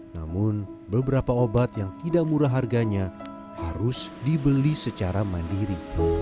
namun beberapa obat yang tidak murah harganya harus dibeli secara mandiri